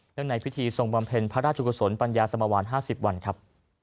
เนื่องในพิธีทรงบำเพ็ญพระราชกุศลปัญญาสมวรรณห้าสิบวันครับ